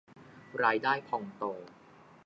รายได้พองโต